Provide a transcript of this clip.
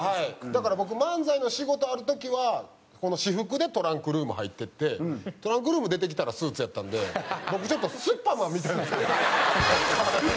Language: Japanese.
だから僕漫才の仕事ある時は私服でトランクルーム入っていってトランクルーム出てきたらスーツやったんで僕ちょっとスッパマンみたいな生活。